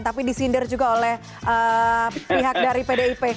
tapi disindir juga oleh pihak dari pdip